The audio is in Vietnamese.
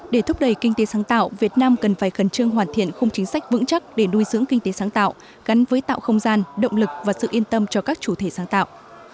để thúc đẩy kinh tế sáng tạo việt nam cần phải khẩn trương hoàn thiện khung chính sách vững chắc để nuôi dưỡng kinh tế sáng tạo gắn với tạo không gian động lực và sự yên tâm cho các chủ thể sáng tạo